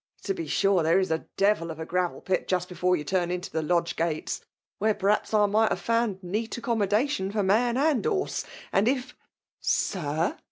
To be sure, there u a devil of a gravel pit just before you turn into the lodge gates, where perhaps I might have found neat acconunodatioa for man and horse, and if '*" Sir